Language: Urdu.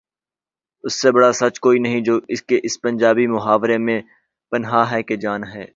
اس سے بڑا سچ کوئی نہیں جو کہ اس پنجابی محاورے میں پنہاں ہے کہ جان ہے۔